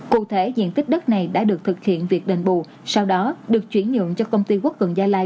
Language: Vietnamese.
cụ thể diện tích đất này đã được thực hiện việc đền bù sau đó được chuyển nhượng cho công ty quốc cường gia lai